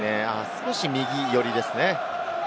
少し右よりですね。